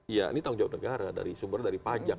iya ini tanggung jawab negara dari sumber dari pajak